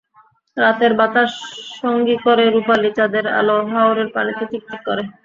রাতের বাতাস সঙ্গী করে রুপালি চাঁদের আলো হাওরের পানিতে চিকচিক করে।